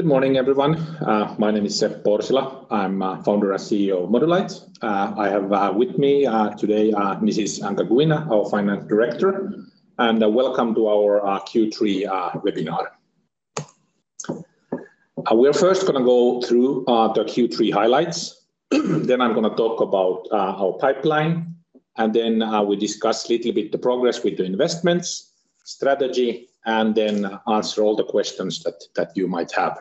Good morning, everyone. My name is Seppo Orsila. I'm founder and CEO of Modulight. I have with me today Mrs. Anca Guina, our CFO. Welcome to our Q3 webinar. We are first gonna go through the Q3 highlights. Then I'm gonna talk about our pipeline, and then we discuss little bit the progress with the investments, strategy, and then answer all the questions that you might have.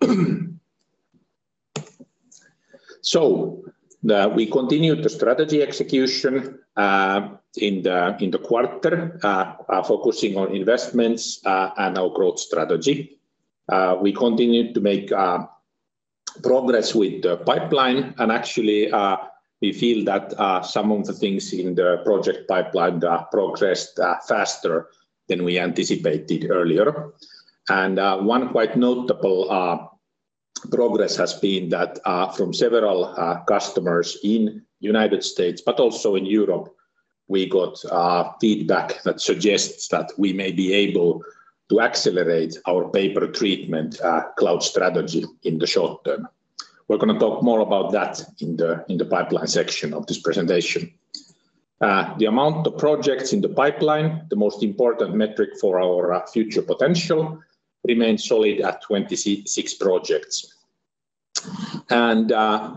We continued the strategy execution in the quarter focusing on investments and our growth strategy. We continued to make progress with the pipeline and actually we feel that some of the things in the project pipeline progressed faster than we anticipated earlier. One quite notable progress has been that from several customers in United States, but also in Europe, we got feedback that suggests that we may be able to accelerate our pay-per-treatment cloud strategy in the short term. We're gonna talk more about that in the pipeline section of this presentation. The amount of projects in the pipeline, the most important metric for our future potential, remains solid at 26 projects.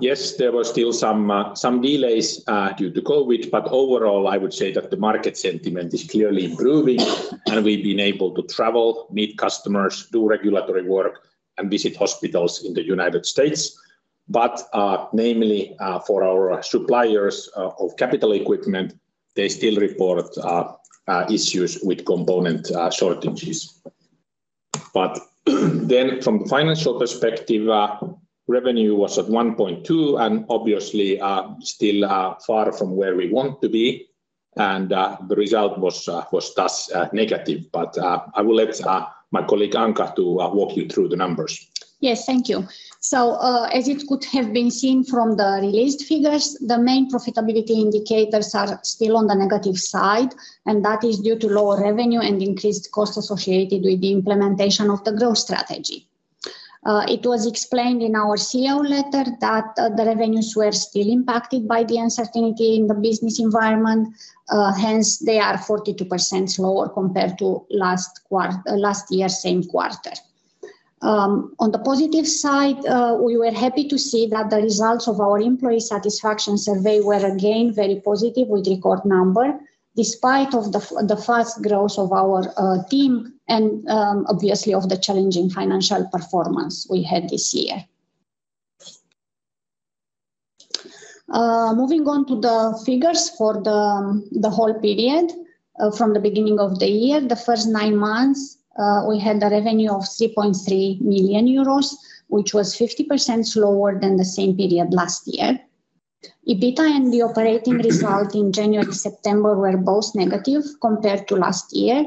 Yes, there were still some delays due to COVID, but overall, I would say that the market sentiment is clearly improving, and we've been able to travel, meet customers, do regulatory work, and visit hospitals in the United States. Mainly for our suppliers of capital equipment, they still report issues with component shortages. From the financial perspective, revenue was at 1.2, and obviously, still far from where we want to be, and the result was thus negative. I will let my colleague, Anca, to walk you through the numbers. Yes. Thank you. As it could have been seen from the released figures, the main profitability indicators are still on the negative side, and that is due to lower revenue and increased costs associated with the implementation of the growth strategy. It was explained in our CEO letter that the revenues were still impacted by the uncertainty in the business environment, hence they are 42% lower compared to last year's same quarter. On the positive side, we were happy to see that the results of our employee satisfaction survey were again very positive with record number despite of the fast growth of our team and obviously of the challenging financial performance we had this year. Moving on to the figures for the whole period from the beginning of the year, the first nine months, we had a revenue of 3.3 million euros, which was 50% lower than the same period last year. EBITDA and the operating result in January, September were both negative compared to last year.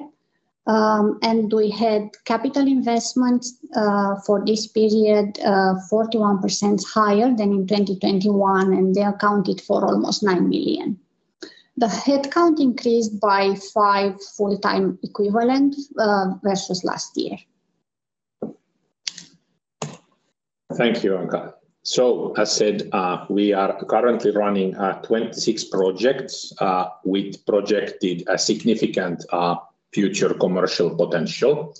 We had capital investments for this period 41% higher than in 2021, and they accounted for almost 9 million. The headcount increased by five full-time equivalent versus last year. Thank you, Anca. As said, we are currently running 26 projects with projected a significant future commercial potential.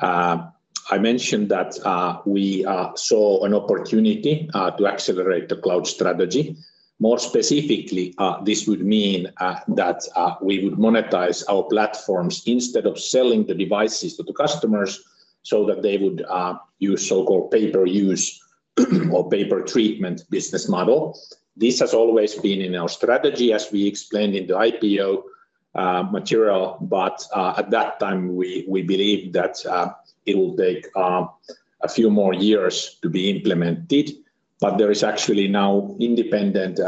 I mentioned that we saw an opportunity to accelerate the cloud strategy. More specifically, this would mean that we would monetize our platforms instead of selling the devices to the customers so that they would use so-called pay per use or pay per treatment business model. This has always been in our strategy as we explained in the IPO material. At that time, we believe that it will take a few more years to be implemented. There is actually now independent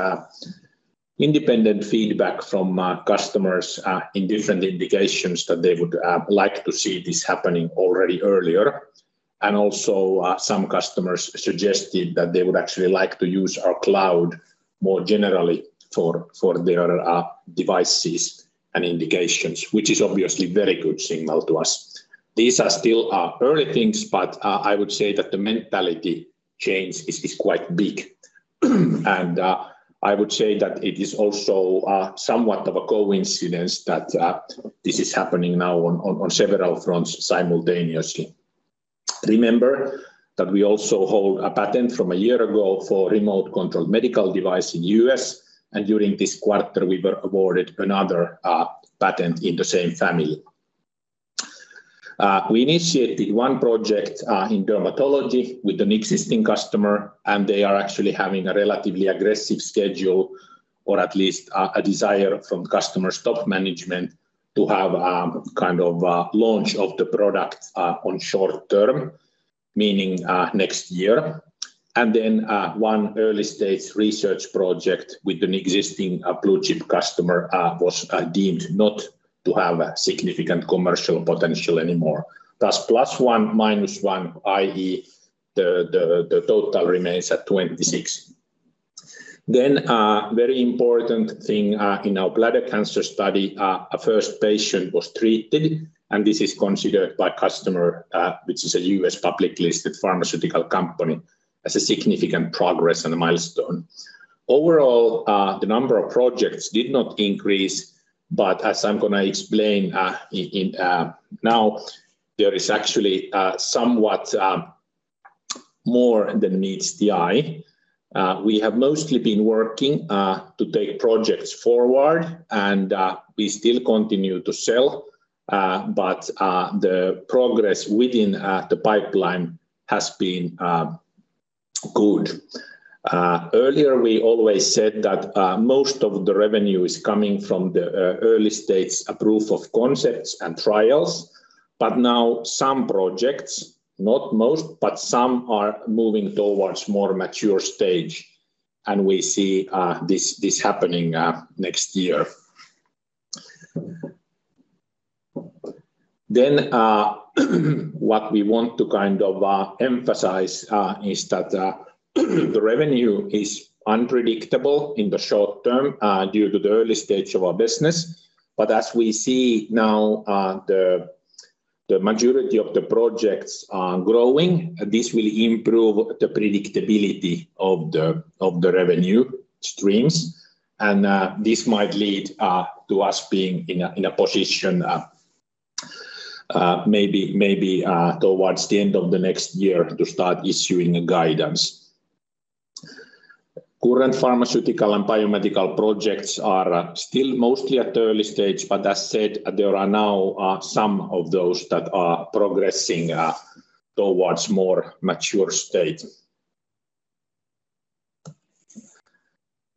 feedback from customers in different indications that they would like to see this happening already earlier. Also, some customers suggested that they would actually like to use our cloud more generally for their devices and indications, which is obviously very good signal to us. These are still early things, but I would say that the mentality change is quite big. I would say that it is also somewhat of a coincidence that this is happening now on several fronts simultaneously. Remember that we also hold a patent from a year ago for remote-controlled medical device in U.S., and during this quarter, we were awarded another patent in the same family. We initiated one project in dermatology with an existing customer, and they are actually having a relatively aggressive schedule or at least a desire from customer's top management to have kind of launch of the product on short term, meaning next year. One early stage research project with an existing blue chip customer was deemed not to have a significant commercial potential anymore. Thus, plus one, minus one, i.e. the total remains at 26. Very important thing in our bladder cancer study, a first patient was treated, and this is considered by customer which is a U.S. public listed pharmaceutical company, as a significant progress and a milestone. Overall, the number of projects did not increase, but as I'm gonna explain, now there is actually somewhat more than meets the eye. We have mostly been working to take projects forward and we still continue to sell, but the progress within the pipeline has been good. Earlier we always said that most of the revenue is coming from the early stage approval of concepts and trials, but now some projects, not most, but some are moving towards more mature stage, and we see this happening next year. What we want to kind of emphasize is that the revenue is unpredictable in the short term due to the early stage of our business. As we see now, the majority of the projects are growing. This will improve the predictability of the revenue streams. This might lead to us being in a position maybe towards the end of the next year to start issuing a guidance. Current pharmaceutical and biomedical projects are still mostly at early stage, but as said, there are now some of those that are progressing towards more mature state.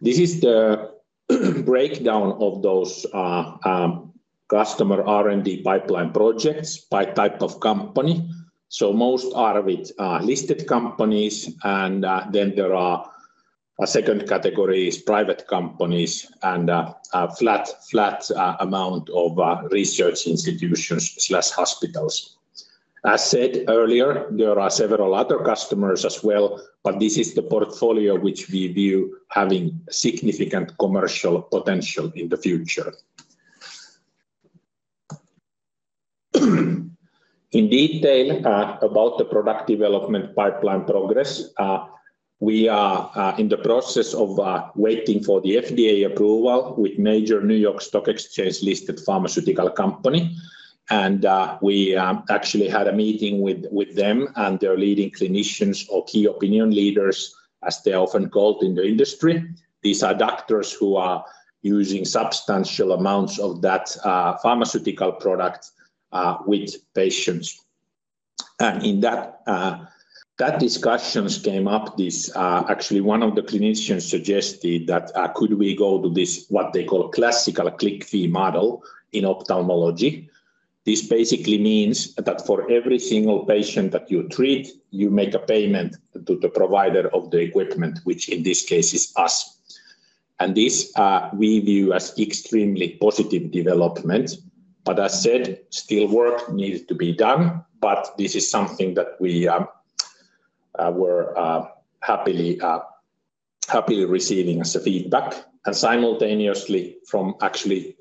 This is the breakdown of those customer R&D pipeline projects by type of company. Most are with listed companies, and then there are a second category is private companies and a flat amount of research institutions/hospitals. As said earlier, there are several other customers as well, but this is the portfolio which we view having significant commercial potential in the future. In detail, about the product development pipeline progress, we are in the process of waiting for the FDA approval with major New York Stock Exchange listed pharmaceutical company. We actually had a meeting with them and their leading clinicians or key opinion leaders, as they're often called in the industry. These are doctors who are using substantial amounts of that pharmaceutical product with patients. In that discussion came up this actually one of the clinicians suggested that could we go to this, what they call classic click fee model in ophthalmology. This basically means that for every single patient that you treat, you make a payment to the provider of the equipment, which in this case is us. This we view as extremely positive development. As said, still work needs to be done. This is something that we were happily receiving as feedback. Simultaneously from actually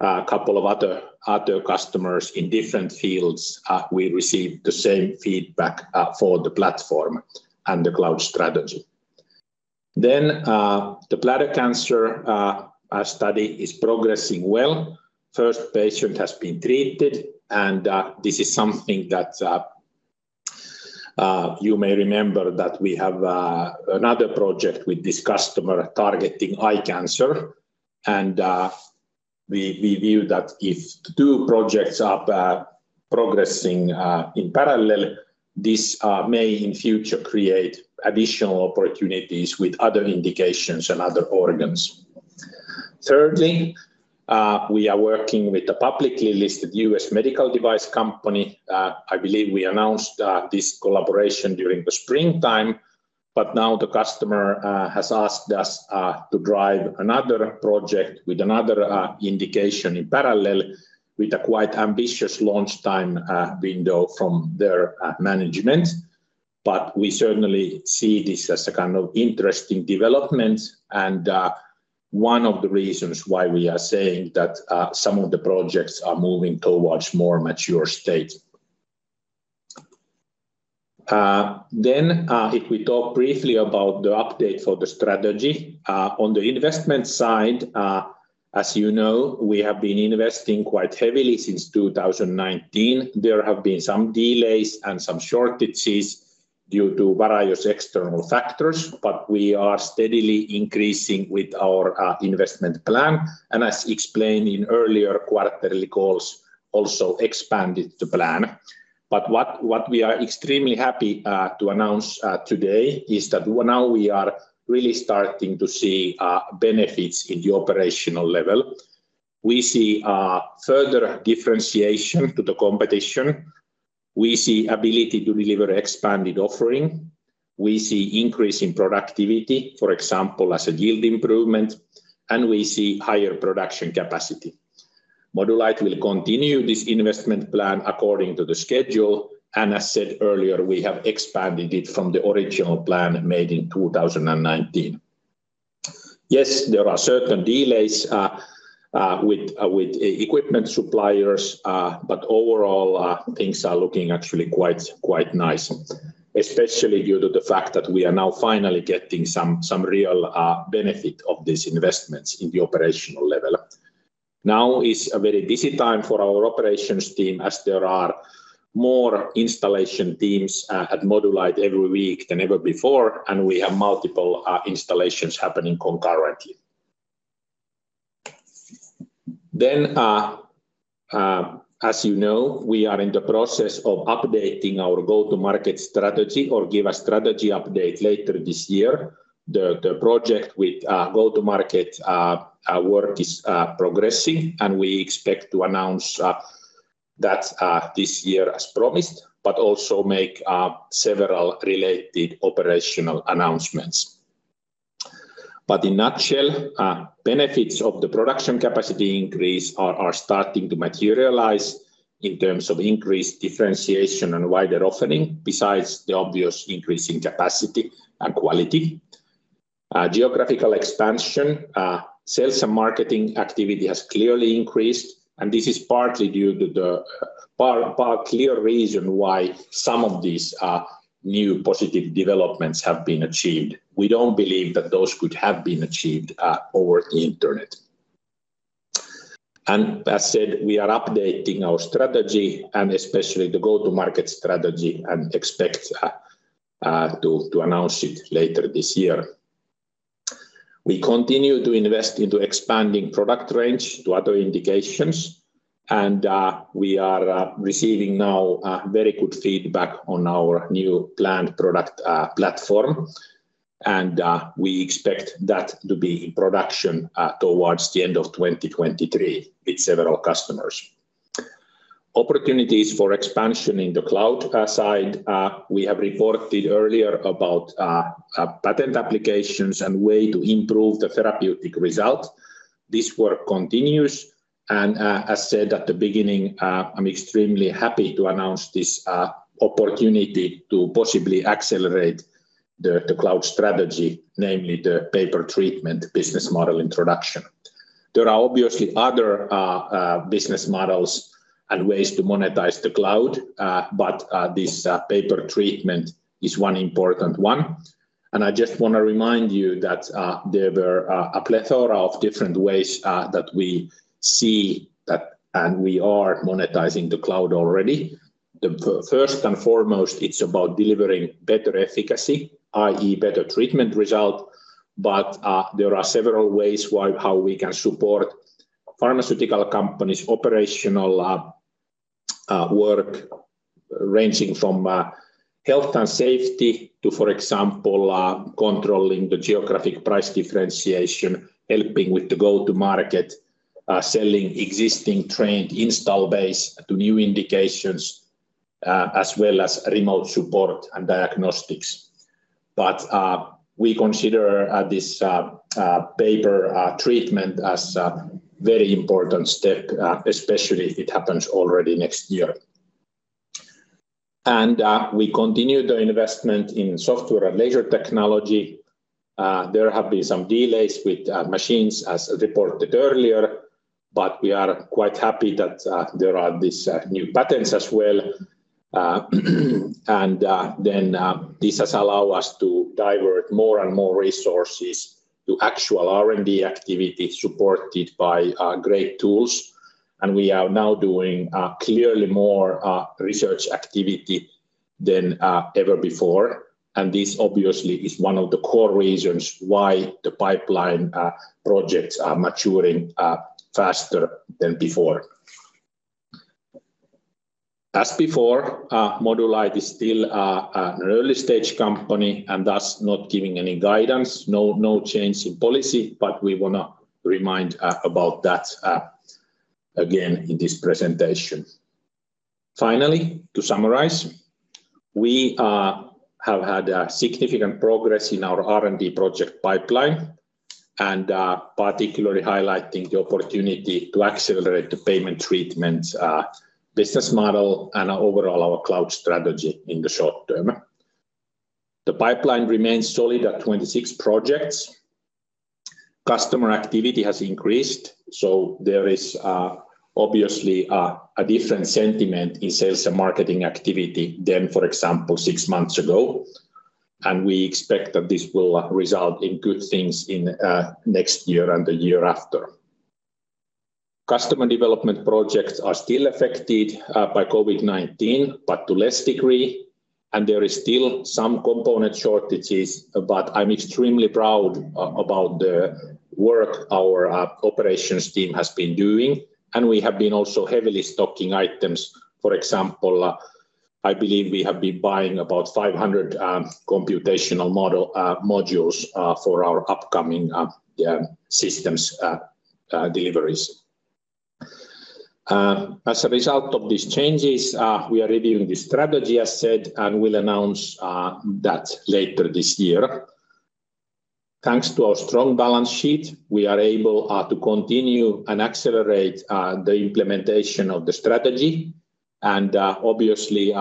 a couple of other customers in different fields, we received the same feedback for the platform and the cloud strategy. The bladder cancer study is progressing well. First patient has been treated. This is something that you may remember that we have another project with this customer targeting eye cancer. We view that if two projects are progressing in parallel, this may in future create additional opportunities with other indications and other organs. Thirdly, we are working with a publicly listed U.S. medical device company. I believe we announced this collaboration during the springtime, but now the customer has asked us to drive another project with another indication in parallel with a quite ambitious launch time window from their management. We certainly see this as a kind of interesting development and one of the reasons why we are saying that some of the projects are moving towards more mature state. If we talk briefly about the update for the strategy on the investment side, as you know, we have been investing quite heavily since 2019. There have been some delays and some shortages due to various external factors, but we are steadily increasing with our investment plan. As explained in earlier quarterly calls, also expanded the plan. What we are extremely happy to announce today is that now we are really starting to see benefits in the operational level. We see further differentiation to the competition. We see ability to deliver expanded offering. We see increase in productivity, for example, as a yield improvement, and we see higher production capacity. Modulight will continue this investment plan according to the schedule. As said earlier, we have expanded it from the original plan made in 2019. Yes, there are certain delays with equipment suppliers. Overall, things are looking actually quite nice, especially due to the fact that we are now finally getting some real benefit of these investments in the operational level. Now is a very busy time for our operations team, as there are more installation teams at Modulight every week than ever before, and we have multiple installations happening concurrently. As you know, we are in the process of updating our go-to-market strategy or give a strategy update later this year. The project with go-to-market work is progressing, and we expect to announce that this year as promised, but also make several related operational announcements. In a nutshell, benefits of the production capacity increase are starting to materialize in terms of increased differentiation and wider offering, besides the obvious increase in capacity and quality. Geographical expansion. Sales and marketing activity has clearly increased, and this is partly due to the particular reason why some of these new positive developments have been achieved. We don't believe that those could have been achieved overnight. As said, we are updating our strategy and especially the go-to-market strategy and expect to announce it later this year. We continue to invest into expanding product range to other indications, and we are receiving now very good feedback on our new planned product platform. We expect that to be in production towards the end of 2023 with several customers. Opportunities for expansion in the cloud side. We have reported earlier about patent applications and way to improve the therapeutic result. This work continues, and as said at the beginning, I'm extremely happy to announce this opportunity to possibly accelerate the cloud strategy, namely the pay per treatment business model introduction. There are obviously other business models and ways to monetize the cloud, but this pay per treatment is one important one. I just wanna remind you that there were a plethora of different ways that we see that and we are monetizing the cloud already. First and foremost, it's about delivering better efficacy, i.e. better treatment result. there are several ways how we can support pharmaceutical companies' operational work ranging from health and safety to, for example, controlling the geographic price differentiation, helping with the go to market, selling existing trained install base to new indications, as well as remote support and diagnostics. We consider this pay per treatment as a very important step, especially if it happens already next year. We continue the investment in software and laser technology. There have been some delays with machines as reported earlier, but we are quite happy that there are these new patents as well. This has allow us to divert more and more resources to actual R&D activity supported by great tools. We are now doing clearly more research activity than ever before. This obviously is one of the core reasons why the pipeline projects are maturing faster than before. As before, Modulight is still an early-stage company and thus not giving any guidance, no change in policy. We wanna remind about that again in this presentation. Finally, to summarize, we have had a significant progress in our R&D project pipeline and particularly highlighting the opportunity to accelerate the pay-per-treatment business model and overall our cloud strategy in the short term. The pipeline remains solid at 26 projects. Customer activity has increased, so there is obviously a different sentiment in sales and marketing activity than, for example, six months ago. We expect that this will result in good things in next year and the year after. Customer development projects are still affected by COVID-19, but to less degree. There is still some component shortages. I'm extremely proud about the work our operations team has been doing, and we have been also heavily stocking items. For example, I believe we have been buying about 500 computational model modules for our upcoming systems deliveries. As a result of these changes, we are reviewing the strategy as said, and we'll announce that later this year. Thanks to our strong balance sheet, we are able to continue and accelerate the implementation of the strategy and obviously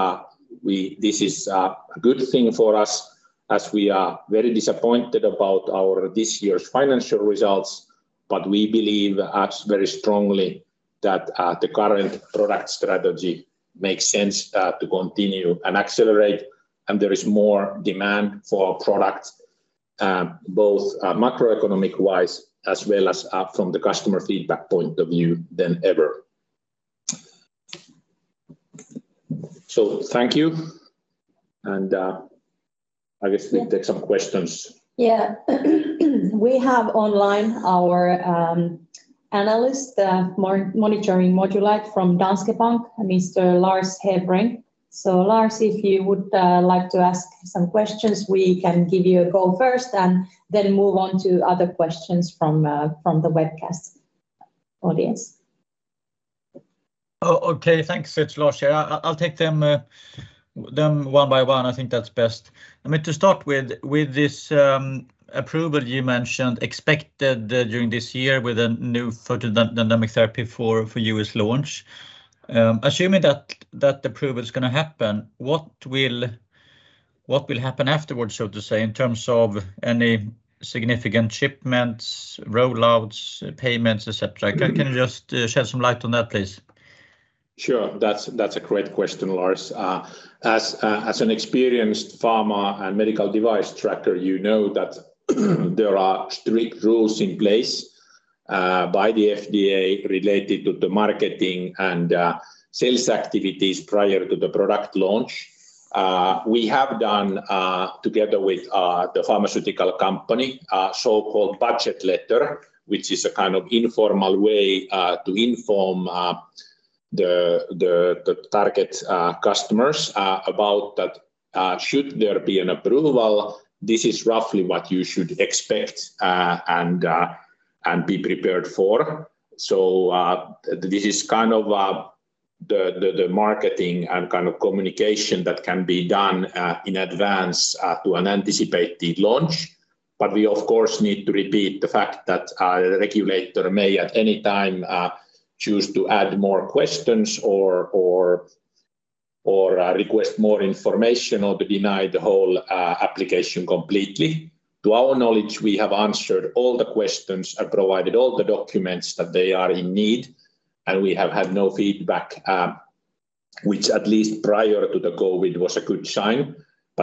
we... This is a good thing for us as we are very disappointed about our this year's financial results, but we believe very strongly that the current product strategy makes sense to continue and accelerate and there is more demand for our product, both macroeconomic-wise as well as from the customer feedback point of view than ever. Thank you, and I guess we take some questions. Yeah. We have online our analyst monitoring Modulight from Danske Bank, Mr. Daniel Lepistö. Lars, if you would like to ask some questions, we can give you a go first, and then move on to other questions from the webcast audience. Oh, okay. Thanks. It's Daniel Lepistö here. I'll take them one by one. I think that's best. I mean, to start with this approval you mentioned expected during this year with a new photodynamic therapy for U.S. launch, assuming that approval's gonna happen, what will happen afterwards, so to say, in terms of any significant shipments, rollouts, payments, et cetera? Can you just shed some light on that, please? Sure. That's a great question, Daniel Lepistö. As an experienced pharma and medical device tracker, you know that there are strict rules in place by the FDA related to the marketing and sales activities prior to the product launch. We have done together with the pharmaceutical company a so-called budget letter, which is a kind of informal way to inform the target customers about that should there be an approval, this is roughly what you should expect and be prepared for. This is kind of the marketing and kind of communication that can be done in advance to an anticipated launch. We of course need to repeat the fact that our regulator may at any time choose to add more questions or request more information or to deny the whole application completely. To our knowledge, we have answered all the questions and provided all the documents that they are in need, and we have had no feedback, which at least prior to the COVID was a good sign.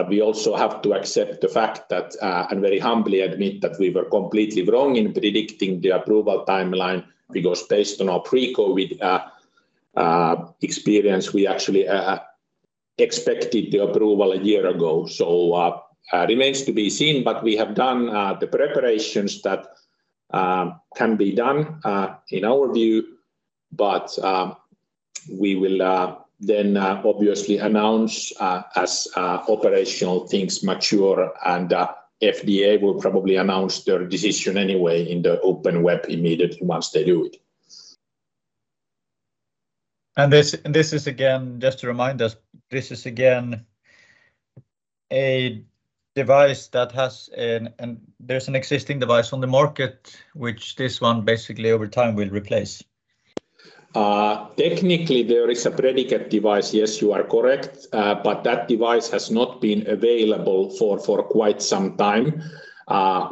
We also have to accept the fact and very humbly admit that we were completely wrong in predicting the approval timeline because based on our pre-COVID experience, we actually expected the approval a year ago. It remains to be seen, but we have done the preparations that can be done in our view, but we will then obviously announce as operational things mature and FDA will probably announce their decision anyway in the open web immediately once they do it. This is again, just to remind us, a device. There's an existing device on the market which this one basically over time will replace? Technically there is a predicate device, yes, you are correct, but that device has not been available for quite some time.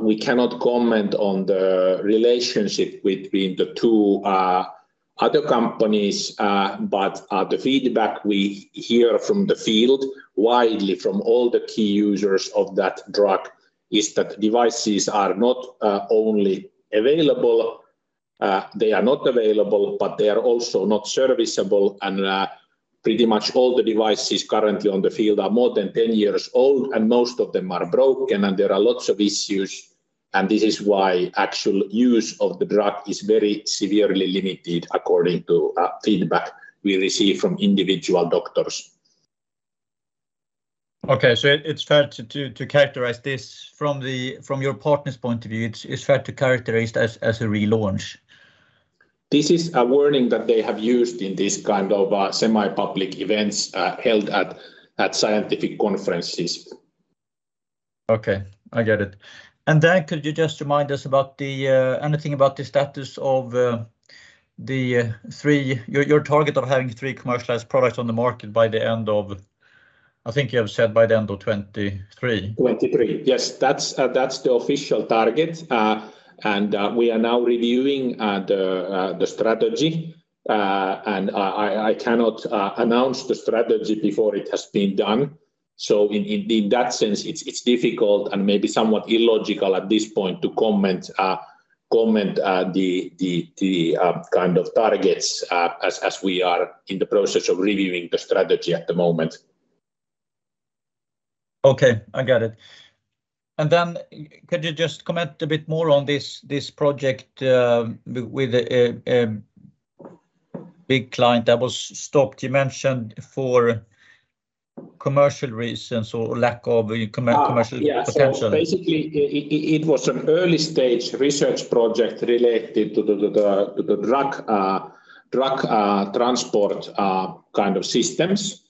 We cannot comment on the relationship between the two other companies. The feedback we hear from the field widely from all the key users of that drug is that devices are not available, but they are also not serviceable and pretty much all the devices currently in the field are more than 10 years old, and most of them are broken, and there are lots of issues, and this is why actual use of the drug is very severely limited according to feedback we receive from individual doctors. Okay. It's fair to characterize this from your partner's point of view, it's fair to characterize as a relaunch? This is a wording that they have used in this kind of semi-public events held at scientific conferences. Okay. I get it. Could you just remind us about anything about the status of your target of having three commercialized products on the market by the end of, I think you have said by the end of 2023. 2023. Yes. That's the official target. We are now reviewing the strategy. I cannot announce the strategy before it has been done. In that sense, it's difficult and maybe somewhat illogical at this point to comment on the kind of targets, as we are in the process of reviewing the strategy at the moment. Okay. I got it. Could you just comment a bit more on this project with a big client that was stopped, you mentioned for commercial reasons or lack of commercial potential? Yeah. Basically it was an early-stage research project related to the drug transport kind of systems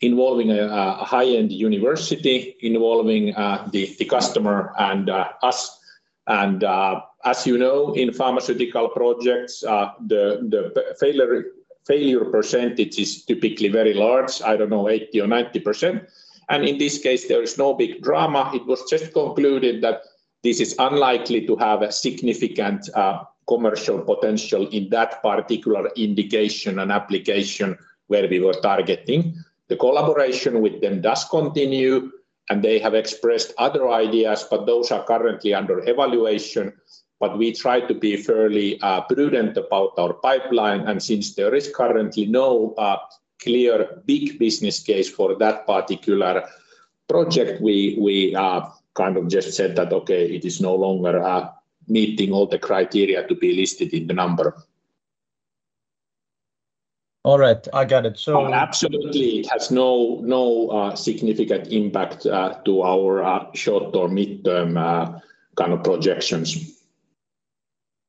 involving a high-end university, involving the customer and us. As you know, in pharmaceutical projects, the failure percentage is typically very large, I don't know, 80% or 90%. In this case there is no big drama. It was just concluded that this is unlikely to have a significant commercial potential in that particular indication and application where we were targeting. The collaboration with them does continue, and they have expressed other ideas, but those are currently under evaluation. We try to be fairly prudent about our pipeline, and since there is currently no clear big business case for that particular project, we kind of just said that, "Okay, it is no longer meeting all the criteria to be listed in the number. All right. I got it. Absolutely it has no significant impact to our short or mid-term kind of projections.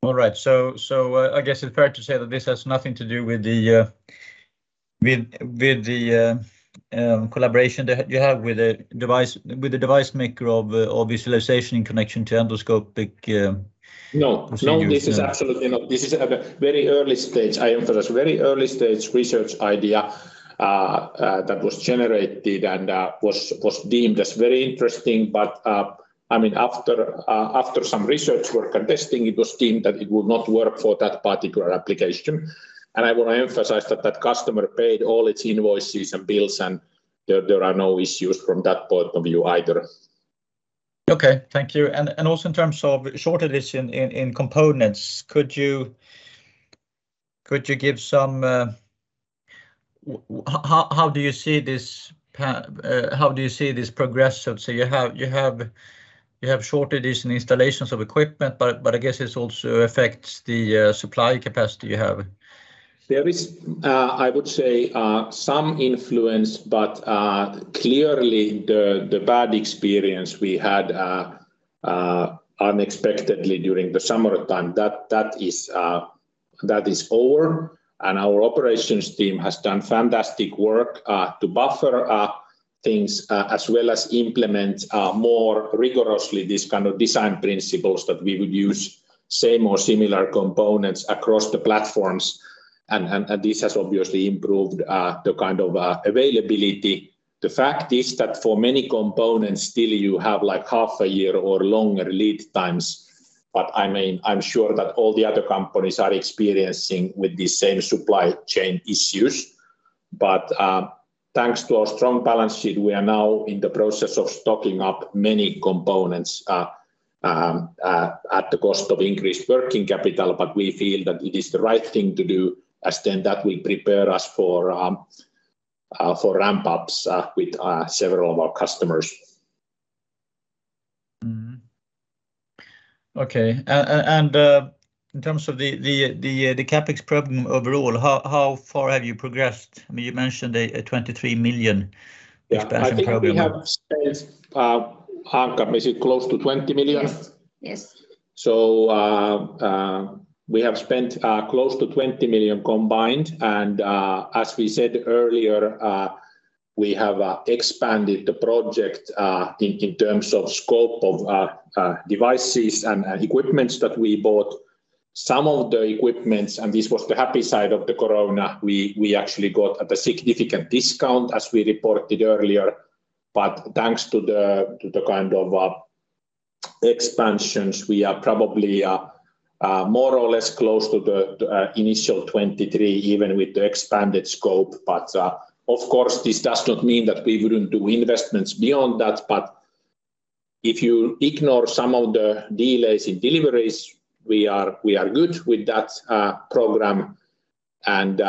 All right. I guess it's fair to say that this has nothing to do with the collaboration that you have with the device maker of visualization in connection to endoscopic. No procedures, yeah. No. This is absolutely not. This is at a very early stage. I emphasize very early stage research idea that was generated and was deemed as very interesting. I mean, after some research work and testing, it was deemed that it would not work for that particular application. I wanna emphasize that that customer paid all its invoices and bills, and there are no issues from that point of view either. Okay. Thank you. Also in terms of shortages in components, could you give some how do you see this progressing? You have shortages in installations of equipment, but I guess this also affects the supply capacity you have. There is, I would say, some influence, but clearly the bad experience we had unexpectedly during the summertime, that is over. Our operations team has done fantastic work to buffer things as well as implement more rigorously this kind of design principles that we would use same or similar components across the platforms. This has obviously improved the kind of availability. The fact is that for many components, still you have like half a year or longer lead times. I mean, I'm sure that all the other companies are experiencing the same supply chain issues. Thanks to our strong balance sheet, we are now in the process of stocking up many components at the cost of increased working capital. We feel that it is the right thing to do, as then that will prepare us for ramp-ups with several of our customers. Okay. In terms of the CapEx problem overall, how far have you progressed? I mean, you mentioned a 23 million expansion program. Yeah. I think we have spent, Anca, is it close to EUR 20 million? Yes. Yes. We have spent close to 20 million combined. As we said earlier, we have expanded the project in terms of scope of devices and equipment that we bought. Some of the equipment, and this was the happy side of the corona, we actually got at a significant discount, as we reported earlier. Thanks to the kind of expansions, we are probably more or less close to the initial 23 million, even with the expanded scope. Of course, this does not mean that we wouldn't do investments beyond that. If you ignore some of the delays in deliveries, we are good with that program and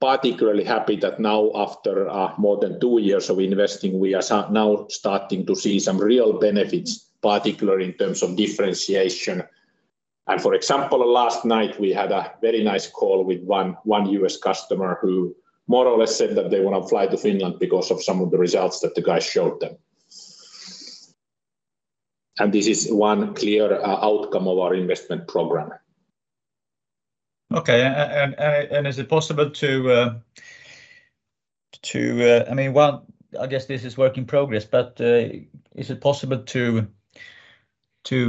particularly happy that now after more than two years of investing, we are now starting to see some real benefits, particularly in terms of differentiation. For example, last night we had a very nice call with one U.S. customer who more or less said that they wanna fly to Finland because of some of the results that the guys showed them. This is one clear outcome of our investment program. Okay. I mean, I guess this is work in progress, but is it possible to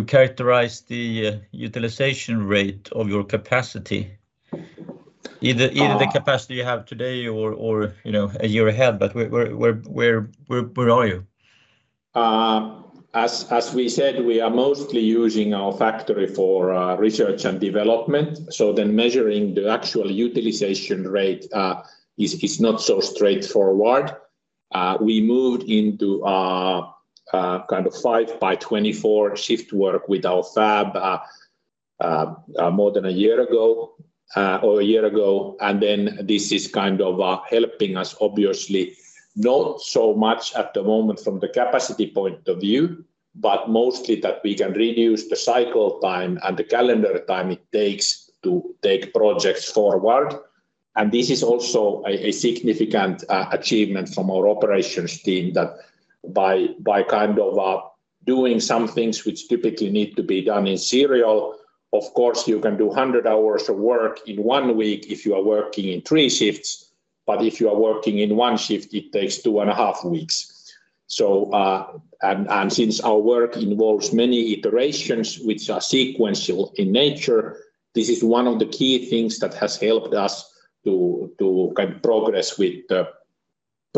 characterize the utilization rate of your capacity? Either- Either the capacity you have today or you know, a year ahead, but where are you? As we said, we are mostly using our factory for research and development. Measuring the actual utilization rate is not so straightforward. We moved into kind of 5 by 24 shift work with our fab more than a year ago or a year ago. This is kind of helping us obviously, not so much at the moment from the capacity point of view, but mostly that we can reduce the cycle time and the calendar time it takes to take projects forward. This is also a significant achievement from our operations team that by kind of doing some things which typically need to be done in serial. Of course, you can do 100 hours of work in 1 week if you are working in 3 shifts, but if you are working in 1 shift, it takes 2.5 weeks. Since our work involves many iterations which are sequential in nature, this is one of the key things that has helped us to kind of progress with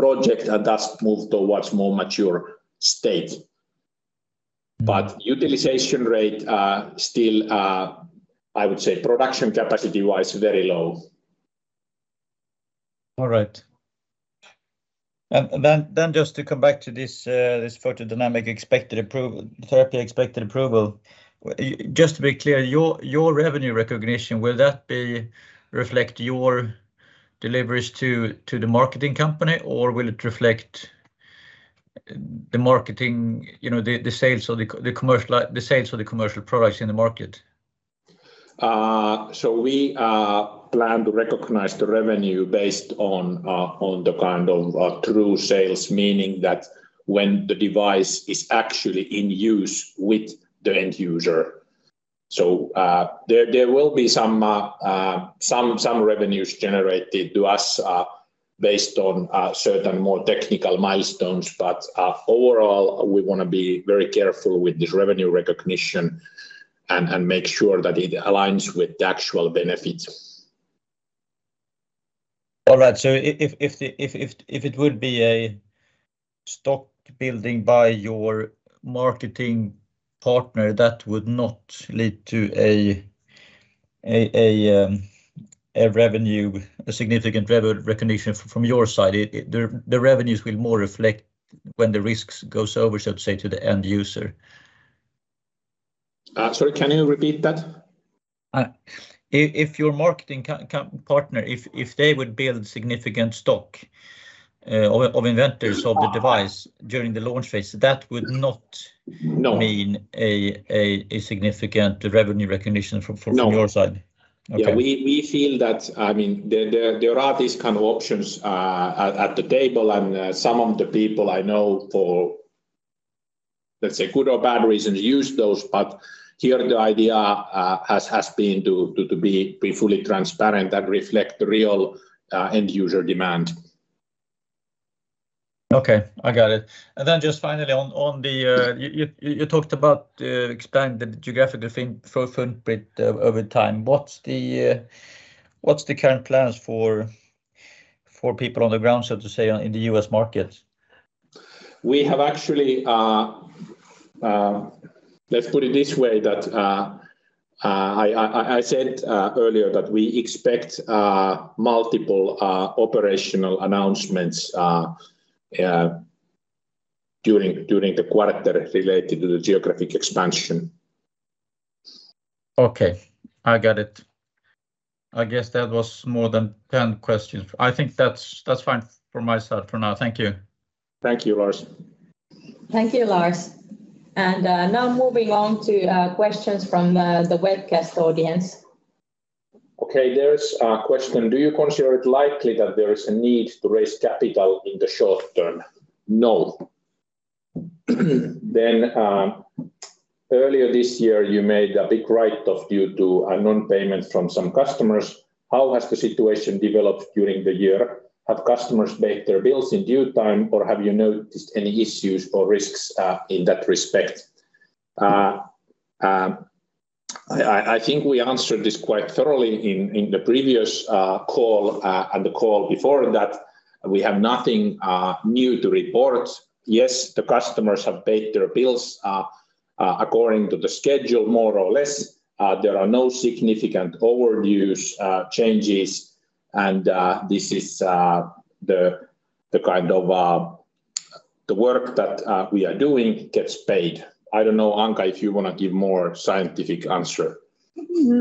the project and thus move towards more mature state. Utilization rate, still, I would say production capacity-wise, very low. All right. Then just to come back to this photodynamic therapy expected approval. Just to be clear, your revenue recognition, will that reflect your deliveries to the marketing company, or will it reflect the marketing, you know, the sales or the commercial products in the market? We plan to recognize the revenue based on the kind of true sales, meaning that when the device is actually in use with the end user. There will be some revenues generated to us based on certain more technical milestones. Overall, we wanna be very careful with this revenue recognition and make sure that it aligns with the actual benefits. All right. If it will be a stock building by your marketing partner, that would not lead to a significant revenue recognition from your side. The revenues will more reflect when the risks goes over, so to say, to the end user. Sorry, can you repeat that? If your marketing co-partner, if they would build significant stock of inventory of the device during the launch phase, that would not. No mean a significant revenue recognition from your side. No. Okay. Yeah. We feel that, I mean, there are these kind of options at the table, and some of the people I know for, let's say, good or bad reasons use those. Here the idea has been to be fully transparent and reflect real end user demand. Okay, I got it. Then just finally on the you talked about expanding the geographic footprint over time. What's the current plans for people on the ground, so to say, in the U.S. market? Let's put it this way, that I said earlier that we expect multiple operational announcements during the quarter related to the geographic expansion. Okay, I got it. I guess that was more than 10 questions. I think that's fine for myself for now. Thank you. Thank you, Daniel Lepistö. Thank you, Lars. Now moving on to questions from the webcast audience. Okay, there is a question. Do you consider it likely that there is a need to raise capital in the short term? No. Earlier this year, you made a big write-off due to a non-payment from some customers. How has the situation developed during the year? Have customers paid their bills in due time, or have you noticed any issues or risks in that respect? I think we answered this quite thoroughly in the previous call and the call before that. We have nothing new to report. Yes, the customers have paid their bills according to the schedule, more or less. There are no significant overdues changes. This is the kind of work that we are doing gets paid. I don't know, Anca, if you wanna give more scientific answer.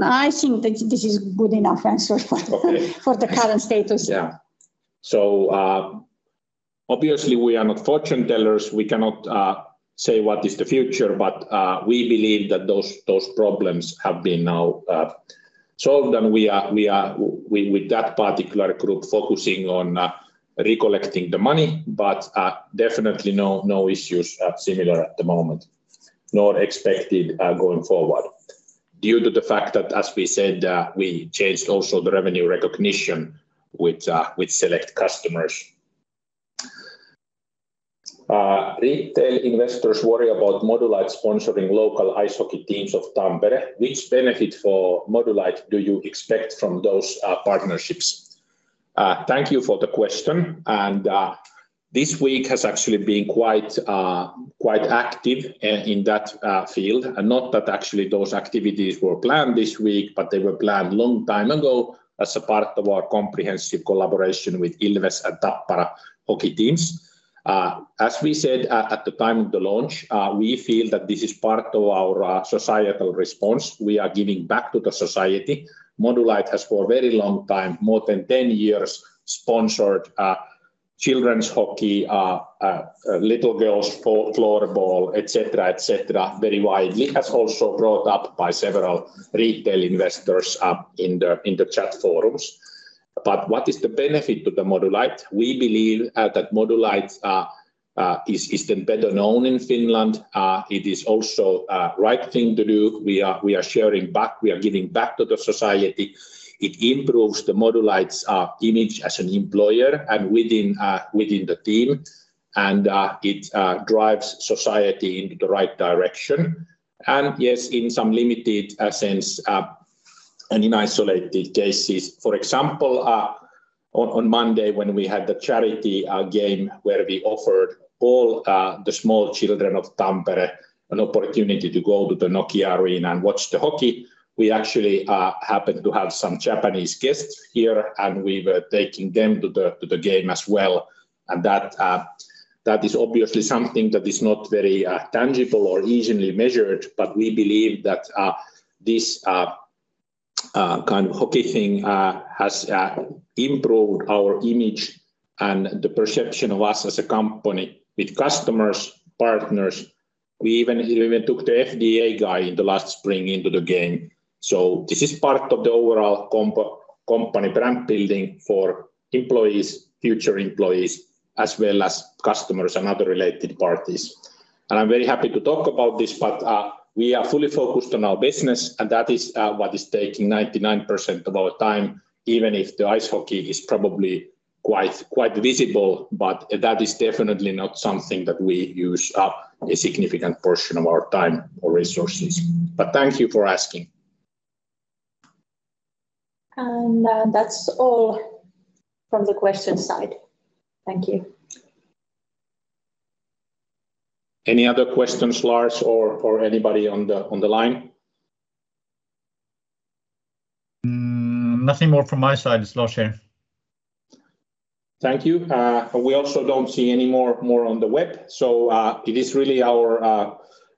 I think that this is good enough answer for. Okay. For the current status. Yeah. Obviously, we are not fortune tellers. We cannot say what is the future, but we believe that those problems have been now solved, and we are with that particular group focusing on recollecting the money, but definitely no issues similar at the moment, nor expected going forward due to the fact that, as we said, we changed also the revenue recognition with select customers. Retail investors worry about Modulight sponsoring local ice hockey teams of Tampere. Which benefit for Modulight do you expect from those partnerships? Thank you for the question. This week has actually been quite active in that field. Not that actually those activities were planned this week, but they were planned long time ago as a part of our comprehensive collaboration with Ilves and Tappara hockey teams. As we said at the time of the launch, we feel that this is part of our societal response. We are giving back to the society. Modulight has for a very long time, more than 10 years, sponsored children's hockey, little girls' floorball, et cetera, very widely, as also brought up by several retail investors in the chat forums. What is the benefit to the Modulight? We believe that Modulight's is better known in Finland. It is also right thing to do. We are sharing back, we are giving back to the society. It improves Modulight's image as an employer and within the team. It drives society into the right direction. Yes, in some limited sense and in isolated cases, for example, on Monday when we had the charity game where we offered all the small children of Tampere an opportunity to go to the Nokia Arena and watch the hockey, we actually happened to have some Japanese guests here, and we were taking them to the game as well. That is obviously something that is not very tangible or easily measured, but we believe that this kind of hockey thing has improved our image and the perception of us as a company with customers, partners. We even took the FDA guy in the last spring into the game. This is part of the overall company brand building for employees, future employees, as well as customers and other related parties. I'm very happy to talk about this, but we are fully focused on our business, and that is what is taking 99% of our time, even if the ice hockey is probably quite visible. That is definitely not something that we use up a significant portion of our time or resources. Thank you for asking. That's all from the question side. Thank you. Any other questions, Daniel Lepistö, or anybody on the line? Nothing more from my side, Seppo Orsila. Thank you. We also don't see any more on the web.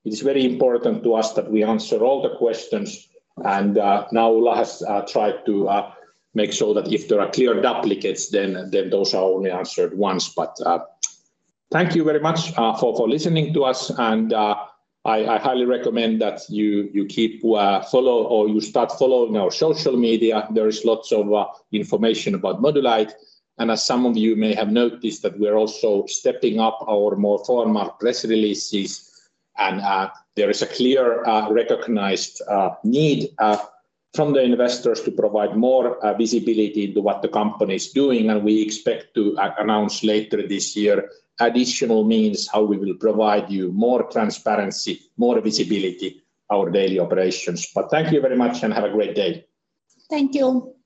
It is very important to us that we answer all the questions. Now Ulla has tried to make sure that if there are clear duplicates, then those are only answered once. Thank you very much for listening to us and I highly recommend that you keep following or you start following our social media. There is lots of information about Modulight. As some of you may have noticed that we're also stepping up our more formal press releases and there is a clear recognized need from the investors to provide more visibility into what the company is doing. We expect to announce later this year additional means how we will provide you more transparency, more visibility our daily operations. Thank you very much and have a great day. Thank you.